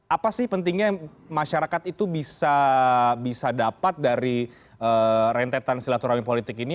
apa sih pentingnya masyarakat itu bisa dapat dari rentetan silaturahmi politik ini